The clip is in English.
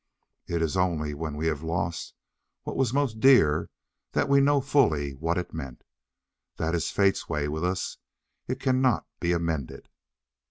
It is only when we have lost what was most dear that we know fully what it meant. That is Fate's way with us: it cannot be amended.